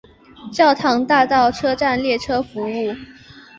教堂大道车站列车服务。